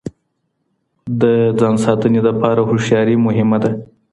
د ځان ساتني دپاره هوښياري مهمه ده.